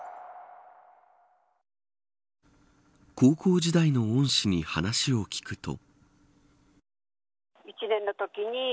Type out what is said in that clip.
高校時代の恩師に話を聞くと。